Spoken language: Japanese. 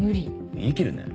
言い切るね。